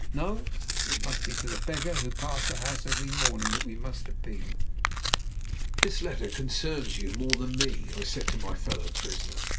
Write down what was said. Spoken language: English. No! It must be to the beggar who passed the house every morning that we must appeal. "This letter concerns you more than me," I said to my fellow prisoner.